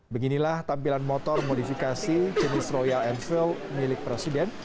beginilah tampilan motor modifikasi jenis royal enfill milik presiden